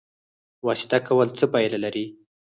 واسطه کول څه پایله لري؟